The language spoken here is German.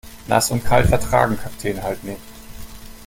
Nass und kalt vertragen Kakteen halt nicht.